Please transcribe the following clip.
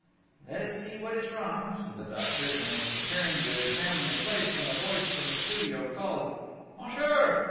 'Let us see what is wrong,' said the doctor, and was preparing to examine the place when a voice from the studio called: 'Monsieur!'